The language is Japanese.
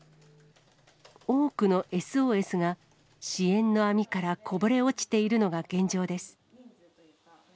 多くのＳＯＳが支援の網からこぼれ落ちているのが現状です。